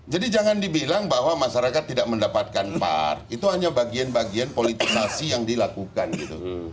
jadi jangan dibilang bahwa masyarakat tidak mendapatkan part itu hanya bagian bagian politikasi yang dilakukan gitu